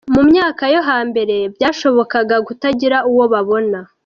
Mu myaka yo hambere byashobokaga kutagira uwo wabona.